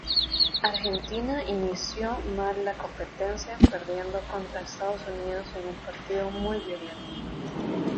Argentina inició mal la competencia perdiendo contra Estados Unidos en un partido muy violento.